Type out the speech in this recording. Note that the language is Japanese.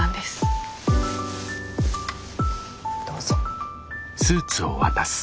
どうぞ。